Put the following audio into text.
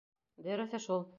Дөрөҫө шул.